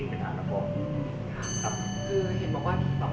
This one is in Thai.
คิดกังวลเลยเพราะคือเรื่องของการใช้จ่าย